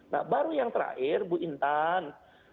nah baru yang terakhir bu intan